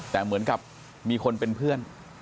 แต่เหมือนกับมีคนเป็นเพื่อน